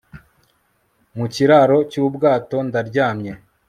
Mu kiraro cyubwato Ndaryamye